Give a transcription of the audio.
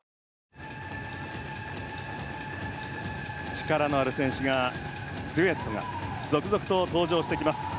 力のある選手がデュエットが続々と登場してきます。